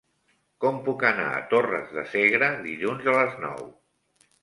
Com puc anar a Torres de Segre dilluns a les nou?